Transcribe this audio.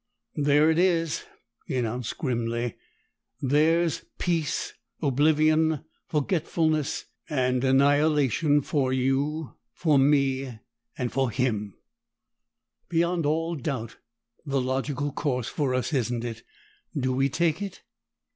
"There it is," he announced grimly. "There's peace, oblivion, forgetfulness, and annihilation for you, for me, and for him! Beyond all doubt, the logical course for us, isn't it? Do we take it?"